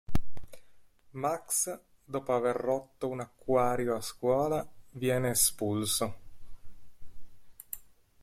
Max, dopo aver rotto un acquario a scuola, viene espulso.